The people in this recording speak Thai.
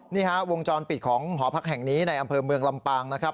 นี่ฮะวงจรปิดของหอพักแห่งนี้ในอำเภอเมืองลำปางนะครับ